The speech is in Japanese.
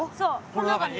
この中に？